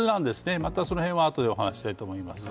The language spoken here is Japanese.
またその辺はあとでお話ししたいと思います。